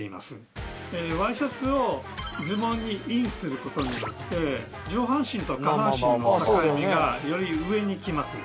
ワイシャツをズボンにインすることによって上半身と下半身の境目がより上に来ます。